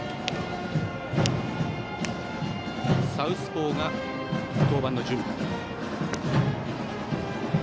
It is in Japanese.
サウスポーが登板の準備。